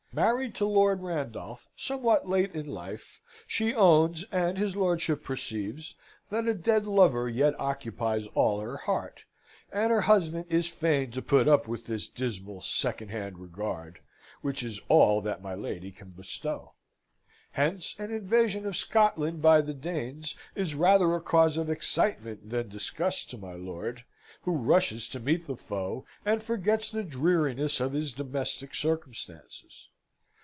Married to Lord Randolph somewhat late in life, she owns, and his lordship perceives, that a dead lover yet occupies all her heart; and her husband is fain to put up with this dismal, second hand regard, which is all that my lady can bestow. Hence, an invasion of Scotland by the Danes is rather a cause of excitement than disgust to my lord, who rushes to meet the foe, and forgets the dreariness of his domestic circumstances.